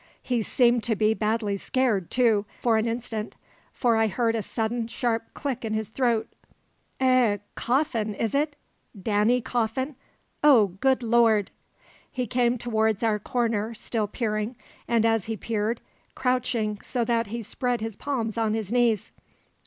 He seemed to be badly scared, too, for an instant; for I heard a sudden, sharp click in his throat "E e eh? Coffin, is it? Danny Coffin? Oh, good Lord!" He came towards our corner, still peering, and, as he peered, crouching to that he spread his palms on his knees.